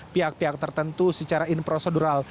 pihak pihak tertentu secara introsedural